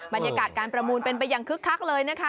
บรรยากาศการประมูลเป็นไปอย่างคึกคักเลยนะคะ